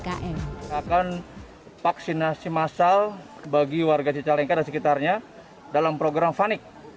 kita akan vaksinasi massal bagi warga cicalengka dan sekitarnya dalam program fanic